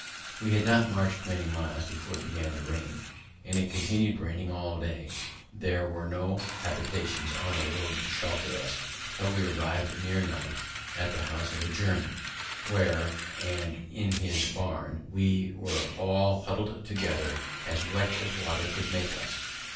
We had not march'd many miles before it began to rain, and it continued raining all day; there were no habitations on the road to shelter us, till we arriv'd near night at the house of a German, where, and in his barn, we were all huddled together, as wet as water could make us.